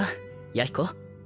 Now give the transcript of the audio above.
弥彦。